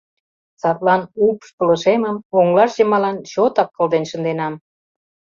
Садлан упш пылышемым оҥылаш йымалан чотак кылден шынденам.